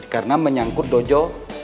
karena menyangkut dojo